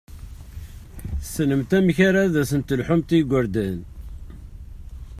Tessnem amek ad sen-telḥum i yigurdan!